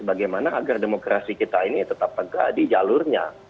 bagaimana agar demokrasi kita ini tetap tegak di jalurnya